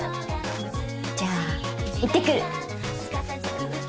じゃあ行ってくる。